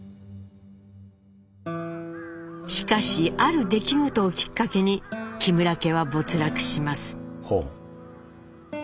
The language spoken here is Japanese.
しかしある出来事をきっかけに木村家は没落します。